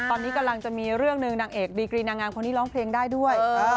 ตอนนี้กำลังจะมีเรื่องหนึ่งนางเอกดีกรีนางงามคนนี้ร้องเพลงได้ด้วย